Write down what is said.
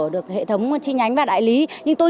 được hệ thống chi nhánh và đại lý nhưng tôi